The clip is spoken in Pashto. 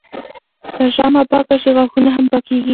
که ژامه پاکه شي، غاښونه هم پاکېږي.